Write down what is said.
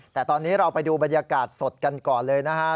แต่ตอนนี้เราไปดูบรรยากาศสดกันก่อนเลยนะฮะ